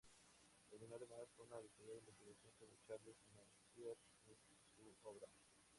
Culminó además una detallada investigación sobre Charles Messier y su obra.